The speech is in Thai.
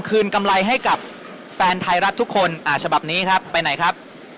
กำไรให้กับแฟนไทยรัฐทุกคนฉบับนี้ครับไปไหนครับ